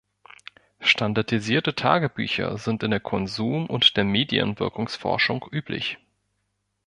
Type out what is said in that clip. Standardisierte Tagebücher sind in der Konsum- und der Medienwirkungsforschung üblich.